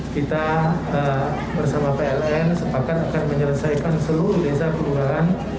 kita bersama pln sepakat akan menyelesaikan seluruh desa perubahan